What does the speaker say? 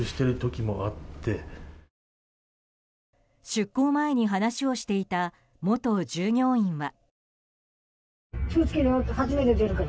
出航前に話をしていた元従業員は。